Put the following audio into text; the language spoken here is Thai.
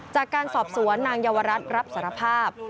จากการสอบสวนนางเยาวรัฐรับสารภาพ